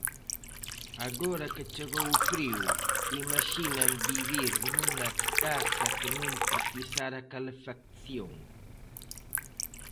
Agora que chegou o frío, imaxinan vivir nunha casa que non precisara calefacción?